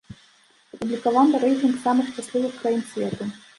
Апублікаваны рэйтынг самых шчаслівых краін свету.